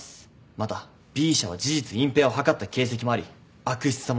またＢ社は事実隠蔽を図った形跡もあり悪質さも認められます。